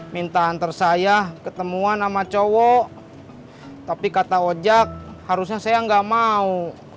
minta antar saya ketemuan sama cowok tapi kata ojek harusnya saya nggak mau